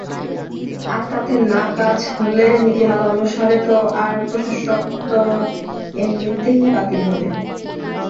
আর তাতে না কাজ হলে নীতিমালা অনুসারে তো তার প্রশাসকত্ব তো এমনিই বাতিল হবে।